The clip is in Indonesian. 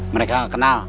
mereka nggak kenal